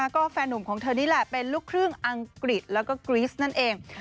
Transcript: ก็แฟนหนุ่มของเธอนี่แหละเป็นลูกครึ่งอังกฤษแล้วก็กรีสนั่นเอง